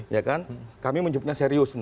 ya kan kami menyebutnya serius